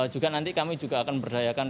juga nanti kami juga akan berdayakan